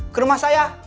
ke rumah saya